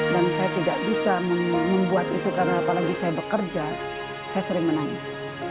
dan saya tidak bisa membuat itu karena apalagi saya bekerja saya sering menangis